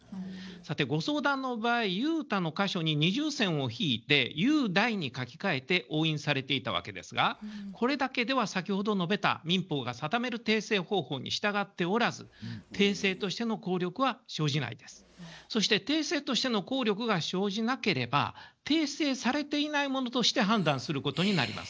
さてご相談の場合「雄太」の箇所に二重線を引いて「雄大」に書き換えて押印されていたわけですがこれだけでは先ほど述べた民法が定める訂正方法に従っておらずそして訂正としての効力が生じなければ訂正されていないものとして判断することになります。